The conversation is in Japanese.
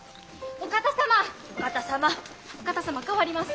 お方様代わります。